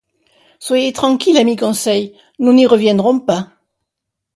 Soyez tranquille, ami Conseil, nous n’y reviendrons pas !